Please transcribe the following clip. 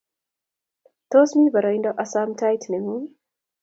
Tos mi boroindo asom tait ne ngung